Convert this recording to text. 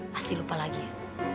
pasti lupa lagi ya